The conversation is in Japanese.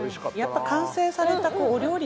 完成されたお料理